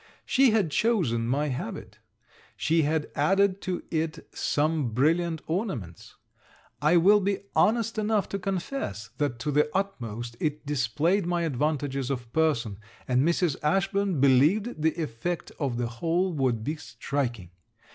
She had chosen my habit. She had added to it some brilliant ornaments. I will be honest enough to confess that to the utmost it displayed my advantages of person, and Mrs. Ashburn believed the effect of the whole would be striking.